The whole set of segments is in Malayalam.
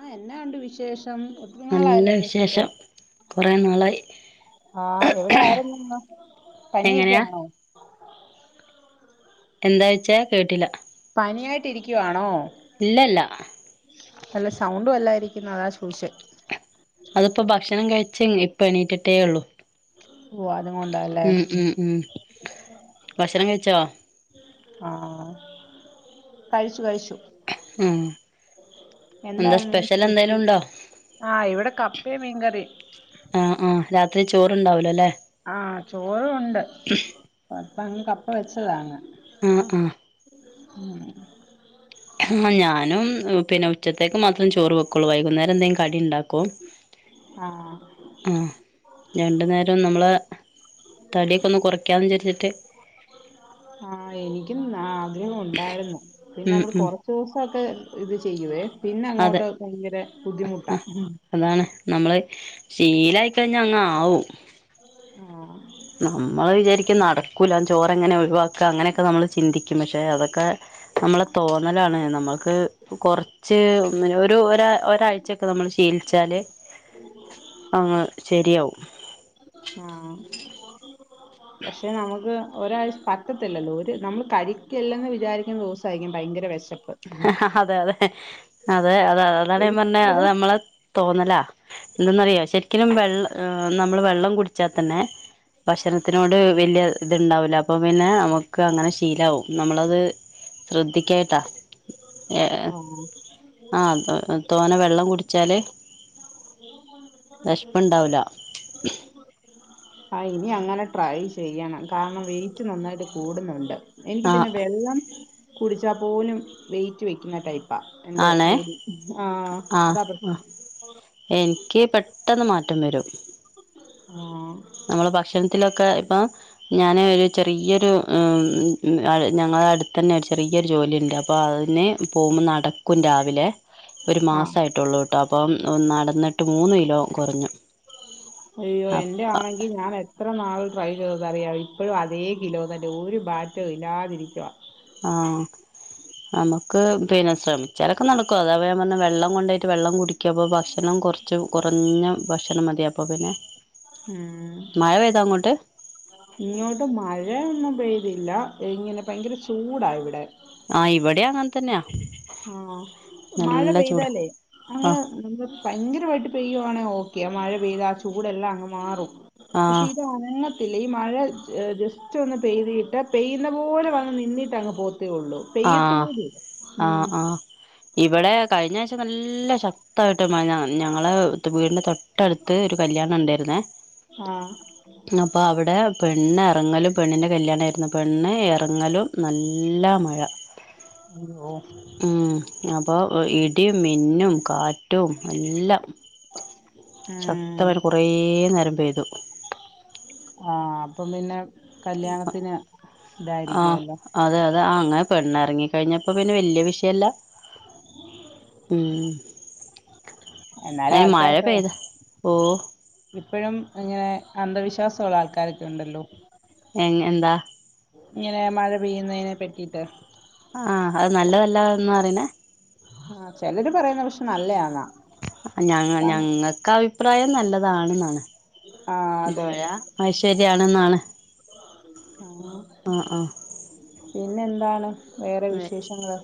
ആഹ് എന്നാഒണ്ട് വിശേഷം ഒത്തിരി നല്ല നാളായല്ലോ വിളിച്ചിട്ട് വിശേഷം കുറേ നാളായി ആ എവിടെ ആയിരുന്നു എങ്ങെനെയാ പനിയൊക്കെയാണോ എന്തായ്ച്ചേ കേട്ടീലാ പനിയായിട്ടിരിക്കുവാണോ ഇല്ല ല്ലാ നല്ല സൗണ്ട് വല്ലായിരിക്കുംന്നു അതാ ചോയ്ച്ചേ അതിപ്പോ ഭക്ഷണം കഴിച്ച് ഇപ്പ എണീട്ടിട്ടേ ഒള്ളു വൊ അതുംകൊണ്ടാല്ലേ ഉം ഉം ഭക്ഷണം കഴിച്ചോ ആഹ് കഴിച്ചു കഴിച്ചു ഉം എന്താ എന്താണ് എന്തേലും സ്പെഷ്യൽ ഉണ്ടോ ആഹ് ഇവിടെ കപ്പേം മീൻകറിം ആഹ് ആഹ് രാത്രി ചോറ്ണ്ടാവിലാല്ലേ ആഹ് ചോറും ഒണ്ട് അപ്പങ്ങ് കപ്പ വെച്ചതാ അങ്ങ് ആഹ് ആഹ് ഉം ആഹ് ഞാനും പിന്നെ ഉച്ചത്തേക്ക് മാത്രം ചോറ് വെക്കുള്ളൂ വൈകുന്നേരം എന്തെലും കടിണ്ടാക്കും ആഹ് ആഹ് രണ്ടു നേരം നമ്മള് തടിയൊക്കെ ഒന്ന് കുറയ്ക്കാന്ന് വിചാരിച്ചിട്ട് ആഹ് എനിക്കും ആഗ്രഹം ഒണ്ടായിരുന്നു പിന്നെ ഉം നമ്മള് ഉം കൊറ ച്ചൂസൊക്കെ ഇത് ചെയ്യുവേ പിന്നെ അതെ അങ്ങോട്ട് ഭയങ്കര ബുദ്ധിമുട്ടാ ആഹ് അതാണ് നമ്മള് ശീലായിക്കഴിഞ്ഞാ അങ്ങ് ആവും ആഹ് നമ്മള് വിചാരിക്കും നടക്കൂല ചോറ്ങ്ങനെ ഒഴിവാക്ക്വാ അങ്ങനെയൊക്കെ നമ്മള് ചിന്തിക്കും പക്ഷെ അതൊക്കെ നമ്മളെ തോന്നലാണ് നമ്മൾക്ക് കൊറ ച്ച് ഒരു ഒരാ ഒരാഴ്ച്ചൊക്കെ നമ്മള് ശീലിച്ചാല് അങ്ങ് ശെരിയാവും ആഹ് പക്ഷെ നമുക്ക് ഒരാഴ് പ പറ്റത്തില്ലല്ലോ ഒരു നമ്മൾ കഴിക്കില്ലെന്ന് വിചാരിക്കുന്ന ദൂസായിരിക്കും ഭയങ്കര വെഷ അതെ അതെ അതെ അത് അതാണ് ഞാം പറഞ്ഞെഅത് ഒരിക്കലും നമ്മളെ തോന്നലാ എന്തെന്നറിയോ ശെരിക്കിനും വെള്ള നമ്മള് വെള്ളം കുടിച്ചാ തന്നെ ഭക്ഷണത്തിനോട് വെല്ല്യ ഇത്ണ്ടാവൂല അപ്പൊ പിന്നെ നമുക്ക് അങ്ങനെ ശീലാവും നമ്മളത് ശ്രദ്ധിക്കായിട്ടാ ആഹ് ആഹ് തോനെ വെള്ളം കുടിച്ചാല് വിഷപ്പുണ്ടാവൂല [inaudible] ആഹ് ഇനി അങ്ങനെ ട്രൈ ചെയ്യണം കാരണം വെയിറ്റ് നന്നായിട്ട് കൂടുന്നുണ്ട് ആഹ് എനിക്കിപിന്നെ വെള്ളം കുടിച്ചാ പോലും വെയിറ്റ് വെക്കുന്ന ടൈപ് പ ഇന്റെ ആണേ ബോഡി ആഹ് അതാ പ്രശ് എൻക്ക് പെട്ടെന്ന് മാറ്റം വരും. ആഹ് നമ്മള് ഭക്ഷണത്തിലൊക്കെ ഇപ്പം ഞാന് ചെറിയ്യൊരു ഏഹ് ഞങ്ങള അട്ത്തെന്നെ ഒരു ചെറിയ്യൊരു ജോലിണ്ട് അപ്പൊ അയിന് പോമ്പ നട ക്കും രാവിലെ ഒരു ആഹ് മാസയ്ട്ടൊള്ളൂ ട്ടോ അപ്പം നടന്നിട്ട് മൂന്നിലോ കൊറഞ്ഞു. അയ്യോ എന്റെ ആണെങ്കി ഞാൻ എ ത്ര നാൾ ട്രൈ ചെയ്തെന്നറിയാവൊ ഇപ്പഴും അതേ കിലോ തന്നെ ഒരു മാറ്റോ ഇല്ലാതിരിക്ക്വ ആഹ് നമുക്ക് പിന്നെ ശ്രമിച്ചാലൊക്കെ നടക്കും അതാപ ഞാൻ പർഞ്ഞെ വെള്ളം കൊണ്ടോയ്ട്ട് വെള്ളം കുടി ക്കപ്പൊ ഭക്ഷണം കൊർച്ച് കൊറഞ്ഞ ഭക്ഷണം മതിയപ്പ പിന്നെ ഉം മയ പെയ്തങ്ങോട്ട്? ഇങ്ങോട്ട് മഴയൊന്നും പെയ്തില്ല ഇങ്ങനെ ഭയ്ങ്കര ചൂടാ ഇവിടെ. ആഹ് ഇവടി അങ്ങൻതന്ന്യാ ആഹ് മഴ പെയ്താലേ അങ്ങ് ആഹ് [unintelligible] പയ്ങ്കരമായിട്ട് പെയ്യുവാണെ ഓക്കെ മഴ പെയ്ത ആഹ് ചൂടെല്ലാം അങ്ങ് മാറും പഷെ ആഹ് ഇത് അങ്ങ് ത്തില്ല ഈ മഴ ജസ്റ്റ് ഒന്ന് പെയ്തിയിട്ട് പെയ്യുന്ന പോലെ വന്ന് നിന്നിട്ടങ്ങ് പോത്തെയൊള്ളൂ. പെയ്യത്ത് ആഹ് പോലുല്ല ആഹ് ആഹ് ഇവിടെ കഴിഞ്ഞഴ്ച നല്ല ശക്തായിട്ട് മഴ ഞങ്ങളെ വീടിന്റെ തൊ ട്ടടുത്ത് ഒരു കല്യാണണ്ടായിരുന്നെ. ഹാ അപ്പോ അവടെ പെണ്ണ് എറങ്ങലും പെണ്ണിൻ്റെ കല്ല്യാണാര്ന്നു പെണ്ണ് എറങ്ങലും നല്ല മഴ ഓഹ് ഉം അപ്പൊ ഇടിം മിന്നും കാ റ്റു നല്ല ഉം ശത്തമായി കൊറേ നേരം പെയ്തു. ആഹ് അപ്പം പിന്നെ കല്യാണത്തിന് ആഹ് ഇതായിരിക്കുവല്ലോ. അതെ അതെ ആഹങ അങ്ങനെ പെണ്ണെറങ്ങി കഴിഞ്ഞപ്പോ പിന്നെ വെല്ല്യെ വിഷയല്ല ഉം എന്നാലും അയിന് മഴ പെയ്താ ഓഹ് ഇപ്പഴും ഇങ്ങനെ അന്ധവിശ്വാസ്വള്ള ആൾക്കാരൊക്ക്യൊണ്ടല്ലോ? എങ് എന്താ ഇങ്ങനെ മഴ പെയ്യുന്നേനെ പറ്റിട്ട് ആഹ് അത് നല്ലതല്ലാന്നാ അറീണേ ആഹ് ചെലര് പറയ്ന്നെ പഷെ നല്ലെയാന്നാ. ഞങ്ങ ഞങ്ങക്ക് അഭിപ്രായം നല്ലതാണെന്നാണ് ആ മഴ ഐശ്വര്യാണിന്നാണ്. ഉം ആഹ് ആഹ് പിന്നെ എന്താണ് വേറെ വേ വിശേഷങ്ങള്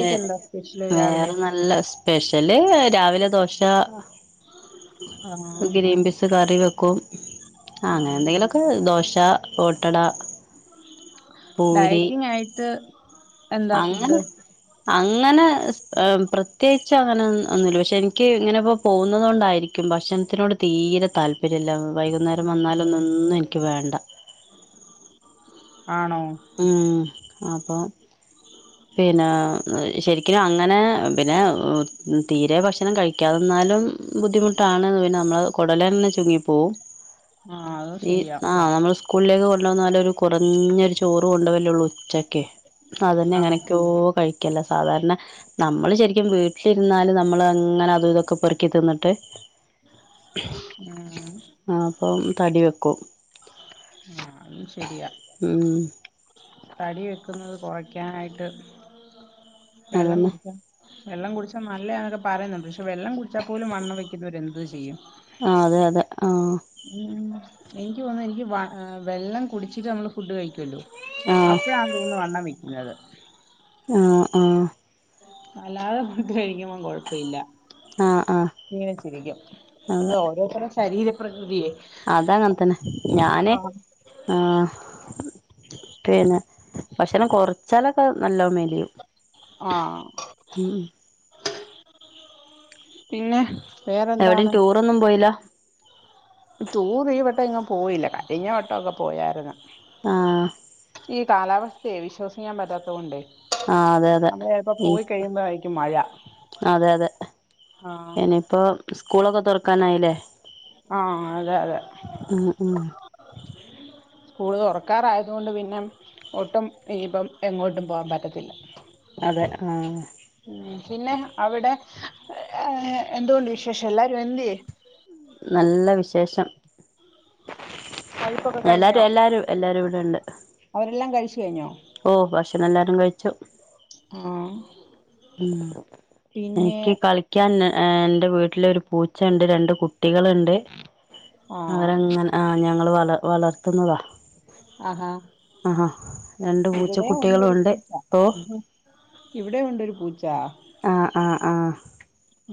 വേ എന്താ സ്പെഷ്യൽ രാവിലെ വേറെ നല്ല സ് പെഷ്യല് രാവിലെ ദോശ. ആ ഗ്രീൻ പീസ് കറി വെക്കും ആ അങ്ങനെ എന്തെങ്കിലൊക്കെ ദോശ ഓട്ടട പൂരി ഡയ്റ്റിങ്ങായിട്ട് എന്താ അങ്ങനെ ഫുഡ് അങ്ങനെ ഏ പ്രത്യേച്ച് അങ്ങനെ ഒന്നുല്ല പഷെ എനിക്ക് ഇങ്ങനെപ്പോ പോന്നതോണ്ടായിര് ക്കും ഭക്ഷൺത്തിനോട് തീരെ താല്പര്യല്ല വൈകുന്നേരം വന്നാലൊന്നൊന്നു എനിക്ക് വേണ്ട. ആണോ ഉം അപ്പൊ പിന്നെ ശരിക്കിനും അങ്ങെനെ പിന്നെ ഏഹ് തീരെ ഭക്ഷണം കഴിക്കാതന്നാലും ബുദ്ധിമുട്ടാണ് ന്ന് പിന്നെ നംള് കൊടലന്നെ ചുങ്ങിപ്പോവും ആ അതും ഈ ശരിയാ ആഹ് നമ്മൾ കൂള്ളിലേക്ക് കൊണ്ടുന്നാല ഒരു കുറഞ്ഞൊരു ചോറ് കൊണ്ടപല്ലയുള്ളൂ ഉച്ചയ്ക്ക് അതനെ ആ അങ്ങനൊക്കെയോ കഴിക്കല്ല സാധാരണ നമ്മള് ശരിക്കും വീട്ട രുന്നാലും നമ്മള് അങ്ങനെ അത ഇതൊക്കെ പേ റക്കി തിന്നിട്ട് ഉം അപ്പം തടി വെക്കും ആഹ് അതും ശരിയാ ഉം തടി വെക്കുന്നത് കുറയ്ക്കാനായിട്ട് വെള്ളം അതന്നെ കുടിക്കൻ വെള്ളം കുടിച്ചാൽ നല്ലയാ എന്നൊക്കെ പറയുന്നുണ്ട് പക്ഷെ വെള്ളം കുടിച്ചാൽ പോലും വണ്ണം വെക്കുന്നവര് എന്ത് ചെയ്യും ആഹ് അതെ അതെ ആഹ് ഉം എനിക്ക് തോന്നുന്നു എനിക്ക് വ വെള്ളം കുടിച്ചിട്ട് നമ്മള് ഫുഡ് കഴിക്കു ല്ല ആഹ് അപ്പോഴാ തോന്നുന്നു വണ്ണം വെക്കുന്നത് ആഹ് ആഹ് അല്ലാതെ ഫുഡ് കഴിക്കുമ ഴപ്പില്ല ആഹ് ഇങ്ങനെ ചിരിക്കും ആഹ് അ ഓരോത്തരെ ശരീര പ്രകൃതിയെ അത അങ്ങനെ തന്നെ ഞാന് ആഹ് പിന്നെ ഭക്ഷണം കുറച്ചാലൊക്കെ നല്ലോമ്മേലും ആഹ് ഉം പിന്നെ വേറെന്താണ് എവിടെേയും ടൂർ ഒന്നും പോയില്ല ടൂറ് ഈ വട്ടം ഇങ്ങങ് പോയില്ല കരിഞ്ഞവട്ടക്കെ പോയരുന്നു ആഹ് ഈ കാലാവസ്ഥയെ വിശ്വസിക്കാൻ പറ്റാത്തതു കൊണ്ടെ ആ അതെ അതെ നമ്മളപ്പോ ഈ പോയി കഴിയുമ്പ ആയിരിക്കും മഴ അതെ അതെ ആഹ് ഇനിയിപ്പോ സ്കൂളൊക്കെ തുറക്കാനായില്ലേ ആഹ് അതെ അതെ ഉം [inaudible] കൂടുതൽ ഉറക്കാറായതുകൊണ്ട് പിന്നെ ഒട്ടും ഇപ്പം എങ്ങോട്ടും പോകാൻ പറ്റത്തില്ല അതെ ആഹ് ഉം പിന്നെ അവിടെ എന്തുകൊണ്ട് വിശേഷം എല്ലാരും എന്ന്ത്യേ നല്ല വിശേഷം കഴിപ്പൊക്കെ എല്ലാരും കഴിഞ്ഞോ എല്ലാരും എല്ലാരും ഇവിടെണ്ട് അവരെല്ലാം കഴിച്ചു കഴിഞ്ഞോ? ഓ ഭക്ഷണം എല്ലാരും കഴിച്ചു ഉം ഉ എനിക്ക് കളി ക്കാൻ എന്റെ വീട്ടില് ഒരു പൂച്ച ഇണ്ട് രണ്ട് കുട്ടികളുണ്ട് ആഹ് അവരങ്ങനെ ആഹ് ഞങ്ങൾ വള വളർത്തുന്നതാ ആഹാ ആഹ്ഹ രണ്ട് പൂച്ച ഇവിടെ കുട്ടികളും ഇണ്ട് ഇപ്പോ ഇവിടെയും ഉണ്ടൊരു പൂച്ച ആഹ് ആഹ് ആഹ്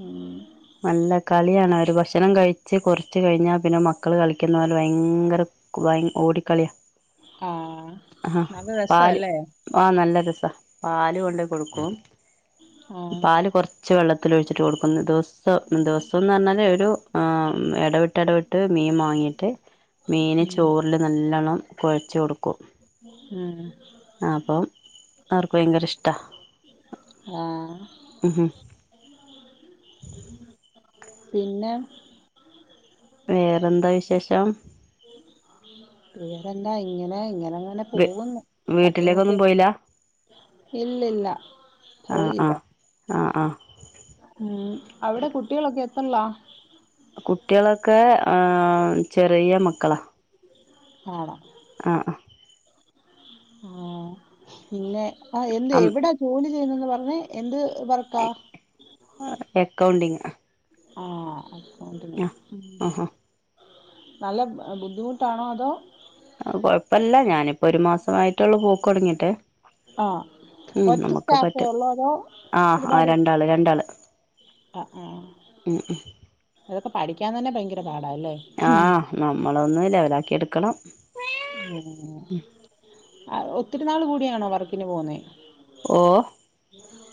ഉം നല്ല കളിയാണ് അവര് ഭക്ഷണം കഴിച്ച് കുറച്ച് കഴിഞ്ഞാൽ പിന്നെ മക്കള് കളിക്കുന്ന പോലെ ഭയങ്കര [unintelligible] ഓടിക്കളിയ ആഹ് നല്ല രസല്ലേ ആഹ് നല്ലരസാ പാല് കൊണ്ടോയി കൊടുക്കും ആഹ് പാല് കൊറച്ച് വെള്ളത്തിൽ ഒഴിച്ചിട്ട് കൊടുക്കുന്നു ഇ ദ ദിവസംന്ന് പറഞ്ഞാല് ഒരു ഇടവിട്ട് ഇടവിട്ട് മീൻ വാങ്ങിയിട്ട് മീന് ഉം ചോറില് നല്ലോണ്ണം കുഴചൊടുക്കും ഉം ആപ്പം അവർക്ക് ഭയങ്കര ഇഷ്ടാ. ആഹ് ഉഹും. പിന്നെ വേറെന്താ വിശേഷം? വേറെന്താ, ഇങ്ങനെ ഇങ്ങനെങ്ങനെ പോവുംന്ന്. തട്ടീം വീട്ടിലേക്കൊന്നും മുട്ടിയൊ. പോയില്ല ഇല്ലില്ല ആ ആ പോയില്ല. ആ ആ ഉം അവിടെ കുട്ടികളൊക്കെ എത്ത്റല്ലാ? കുട്ടിയേളൊക്കെ ഏഹ് ചെറിയ മക്കളാ. ഹാണോ ആഹ് അഹ് ആഹ് പിന്നെ ആഹ് എന്ത് ആ എവിടാ ജോലി ചെയ്യുന്നന്ന് പറഞ്ഞെ എന്ത് വർ എക്കൗണ്ടിങ് ആഹ് അക്കൗണ്ടിംഗ് ഉം. ആഹാ നല്ല ബുദ്ധിമുട്ടാണോ അതോ അഹ് കൊഴപ്പല്ല ഞാനിപ്പോ ഒരു മാസമായിട്ടൊള്ളൂ പോക്ക് തൊടങ്ങീട്ട്. ആഹ്. ഒറ്റ സ്റ്റാഫേ ഒള്ളോ അതോ ഒരുപാട് അള് രണ്ടാള്. അആഹ്. ഉം അതൊക്കെ പഠിക്കാൻ തന്നെ ഭയങ്കര പാടാ ല്ലേ ആഹ് നമ്മളൊന്ന് ലെവലാക്കി എടുക്കണം ആഹ്. ഒത്തിരിനാൾ കൂടിയാണോ വർക്കിന് പോവുന്നേ? ഓഹ്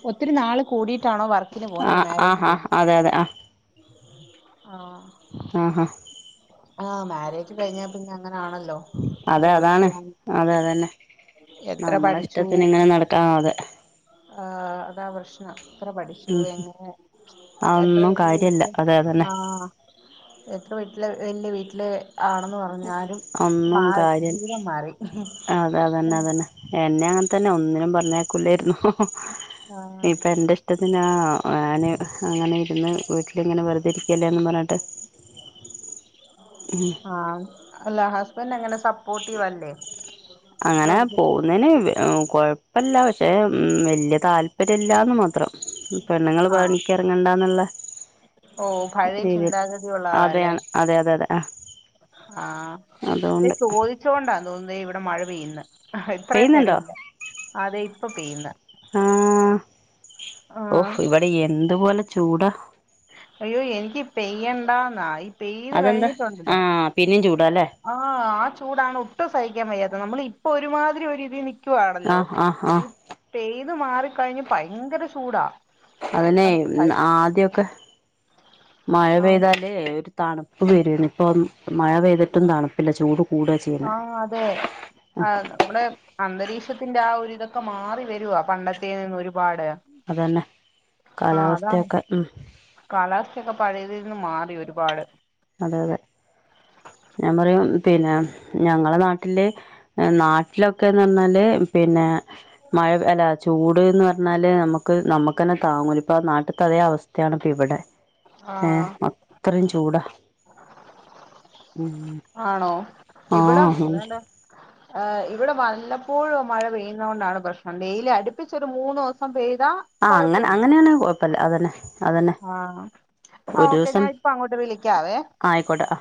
ഒത്തിരി നാള് കൂടിയിട്ടാണോ വർക്കിന് ആ പോവുന്നേ ആ മാരേജ് ആ കഴിഞ്ഞ്? അതെ അതെ ആ ആഹ്. ആഹാ ആഹ് മാരേജ് കഴിഞ്ഞാ പിന്നെ അങ്ങനാണല്ലോ അതെ ജോലി അതാണ് [inaudible] അതെ അതന്നെ നമ്മളെ ഇഷ്ടത്തിന് ഇങ്ങനെ നടക്കാ ആഹ് അതെ ആഹ്. അതാ പ്രശ്നം. എത്ര പടി ഉം ട്ടുഎങ്ങനെ. എത്ര അതൊന്നും [unintelligible] കാര്യല്ല വീട്ടില് അതെ അതന്നെ ആഹ് എത്ര വീട്ടില് വല്യ വീട്ടില് ആണെന്ന് പർ [unintelligible] രും ഒന്നും മാറി കാര്യല്ല ജീവിതം മാറി. അതെ അതന്നെ ല്ലേ അതന്നെ എന്നെ അങ്ങൻ തന്നെ ഒന്നിനും പർഞ്ഞയ്ക്കൂലേര്ന്നു. ആഹ് ഇപ്പ എന്റെ ഇഷ്ടത്തിനാ ഞാന് അങ്ങനെ ഇരുന്ന് വീട്ടിലിങ്ങനെ വെറുതെ ഇരിക്കല്ലേന്നും പർഞ്ഞിട്ട് ഉഹും ആഹ് അല്ല ഹസ്ബൻഡ് എങ്ങനെ, സപ്പോർട്ടീവല്ലേ? അങ്ങനെ പോ പോവുന്നേന് കൊഴപ്പല്ല. പക്ഷേ വല്യ താല്പര്യല്ലാന്ന് മാത്രം. പെണ്ണുങ്ങൾ ആഹ് പണിക്കെർങ്ങണ്ടാ ന്ന്ള്ളെ ഓഹ് പഴയ ചിന്താഗതി ഉള്ള ആളാല്ലേ. അതെയാണ് അതെ അതെ അതെ അഹ്. ആഹ്. ദേ ചോദിച്ചകൊണ്ടാന്ന് തോന്നുന്നു ഇവിടെ മഴ പെയ്യ്ന്ന്. അഹ്ഇത്രയും പെയ്യുന്നുണ്ടോ നേരവില്ല. അതെ. ഇപ്പ പെയ്യുന്ന്. ആഹ്. ആഹ് ഒഹ് ഇവിടെ എന്തുപോലെ ചൂടാ. അയ്യോ എനിക്ക് പെയ്യണ്ടാന്നാ ഈ പെയ്ത് കഴിഞ്ഞിട്ടുണ്ടല്ലോ പിന്നിം ചൂടാ ല്ലേ. ആഹ്. ആ ചൂടാണ് ഒട്ടും സഹിക്കാൻ വയ്യാത്തെ നമ്മളിപ്പൊ ഒരുമാതിരി ഒരിതിൽ നി ക്കുവാണല്ലോ. ആഹ് ആഹ് ആഹ് ഇ പെയ്ത് മാറിക്കഴിഞ്ഞു ഭയങ്കര ചൂടാ. അതന്നെ. നമുക്ക് സഹിക്ക ആദ്യൊക്കെ മഴ ആഹ് പെയ്താൽ ലേ ഒരു തണുപ്പ് വര്വേന്ന് ഇപ്പം മഴ പെയ്തിട്ടും തണുപ്പില്ല. ചൂട് കൂടുക ചെയ്യുന്നെ ആഹ് അതെ ആന്ന്. നമ്മുടെ അന്തരീക്ഷത്തിന്റെ ആ ഒരു ഇതൊക്കെ മാറി വരുവാ പണ്ടത്തെതിൽ ന്ന് ഒരുപാട്. അതന്നെ കാലാവസ്ഥയൊക്കെ ഉ കാലാവസ്ഥൊക്കെ പഴയതിൽന്ന് മാറി ഒരുപാട് അതെ അതെ ഞാൻ പറയും പിന്നെ ഞങ്ങളെ നാട്ടില് നാട്ടിലൊക്കെന്ന് പറഞ്ഞാല് പിന്നെ മഴ അല്ല ചൂട്ന്ന് പറഞ്ഞാല് നമക്ക് ക്ക് നമക്കന്നെ താങ്ങൂല ഇപ്പ നാട്ട് ത്തെ അതേ അവസ്ഥയാണ് ഇപ്പ ഇവിടെ ആഹ് ഏഅത്രിം ചൂടാ ഉ ആണോ ഇവിടെ ആഹ് വേണ്ട ഏഹ് ഇവിടെ വല്ലപ്പോഴും മഴ പെയ്യുന്നത കൊണ്ടാണ് പ്രശ്നം വെയ്ല് അടുപ്പിച്ചോരു മൂന്ന് ദിവസം പെയ്താ ആഅങ്ങനെ കൊഴപ്പമില്ല അങ്ങനെയാണങ്കിൽ കുഴപ്പല്ല അതന്നെ അതന്നെ ആഹ് ആ ഒരു ഓക്കെ ദിവസം ഞാൻപ്പ അങ്ങോട്ട് വിളിക്കാവേ ആയിക്കോട്ടെ ആ